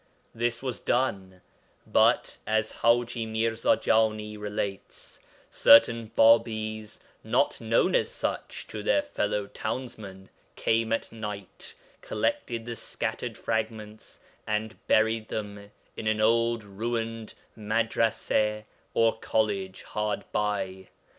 This was done, but, as Haji Mirza Jani relates, certain Bābīs not known as such to their fellow townsmen came at night, collected the scattered fragments, and buried them in an old ruined madrasa or college hard by.